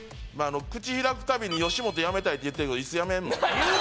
口開く度に「吉本やめたい」って言ってるけどいつやめんの？